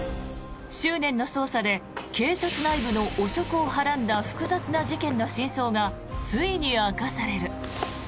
執念の捜査で警察内部の汚職をはらんだ複雑な事件の真相がついに明かされる。